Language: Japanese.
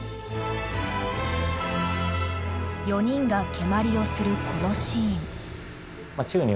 ４人が蹴鞠をするこのシーン。